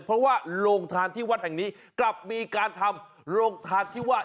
เพราะว่าโรงทานที่วัดแห่งนี้กลับมีการทำโรงทานที่ว่า